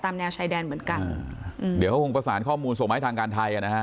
แนวชายแดนเหมือนกันอ่าเดี๋ยวเขาคงประสานข้อมูลส่งมาให้ทางการไทยอ่ะนะฮะ